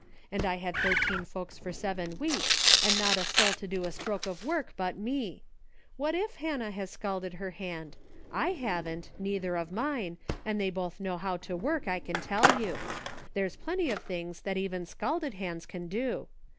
'' and I had thirteen folks for seven weeks, and not a souj to do a stroke of work but me ! What if Hannah A GREAT MANY " LITTLE THINGS." 289 has scalded her hand ? I haven't ; neither of mine ; and they both know how to work, I can tell you ; there's plenty of things that even scalded hands can do.